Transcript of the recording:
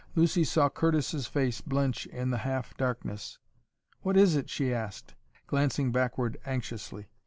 Lucy saw Curtis's face blench in the half darkness. "What is it?" she asked, glancing backward anxiously.